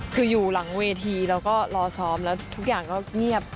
คืออยู่หลังเวทีแล้วก็รอซ้อมแล้วทุกอย่างก็เงียบ